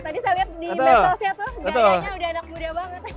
tadi saya lihat di metosnya tuh gayanya udah anak muda banget